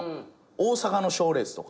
大阪の賞レースとか。